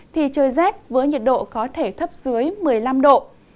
thì trời rét với nhiệt độ có thể thấp dưới một mươi năm độ